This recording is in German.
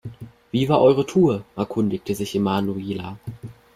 Wie war eure Tour?, erkundigte sich Emanuela.